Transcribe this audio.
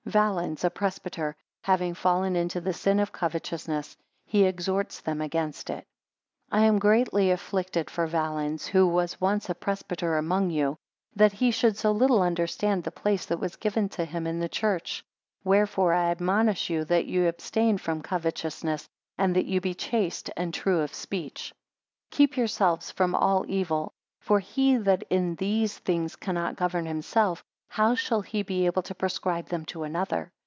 Valens, a presbyter, having fallen into the sin of covetousness, he exhorts them against it. I am greatly afflicted for Valens, who was once a presbyter among you; that he should so little understand the place that was given to him in the church, Wherefore I admonish you that ye abstain from covetousness; and that ye be chaste, and true of speech. 2 Keep yourselves from all evil. For he that in these things cannot govern himself, how shall he be able to prescribe them to another?